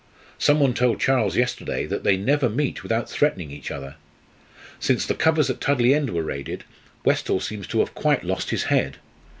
Somebody told Charles yesterday that they never meet without threatening each other. Since the covers at Tudley End were raided, Westall seems to have quite lost his head.